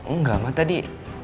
enggak mah tadi